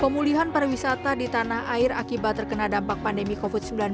pemulihan pariwisata di tanah air akibat terkena dampak pandemi covid sembilan belas